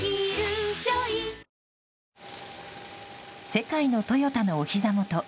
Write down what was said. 世界のトヨタのおひざ元